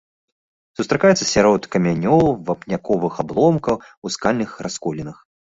Сустракаецца сярод камянёў, вапняковых абломкаў, у скальных расколінах.